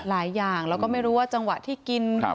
หลายอย่างแล้วก็ไม่รู้ว่าจังหวะที่กิน